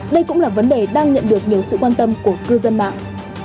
đây cũng là vấn đề đang nhận được nhiều sự quan tâm của cư dân mạng